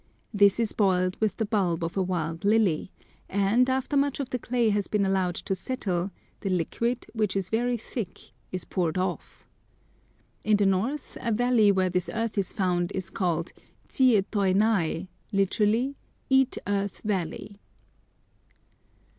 This is boiled with the bulb of a wild lily, and, after much of the clay has been allowed to settle, the liquid, which is very thick, is poured off. In the north, a valley where this earth is found is called Tsie toi nai, literally "eat earth valley."